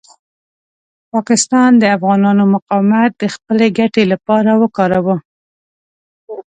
پاکستان د افغانانو مقاومت د خپلې ګټې لپاره وکاروه.